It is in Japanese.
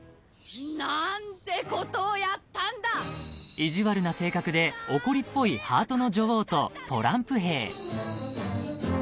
［意地悪な性格で怒りっぽいハートの女王とトランプ兵］